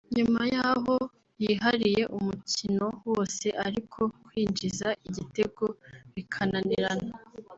nyuma y’aho yihariye umukino wose ariko kwinjiza igitego bikananirana